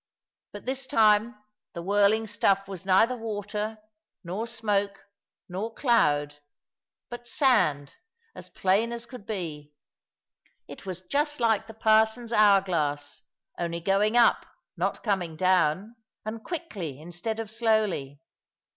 But this time the whirling stuff was neither water, nor smoke, nor cloud; but sand, as plain as could be. It was just like the parson's hour glass only going up, not coming down, and quickly instead of slowly.